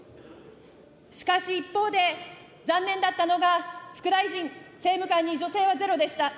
しかし一方で、残念だったのが、副大臣、政務官に女性はゼロでした。